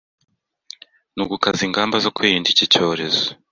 nugukaza ingamba zo kwirinda iki cyorezo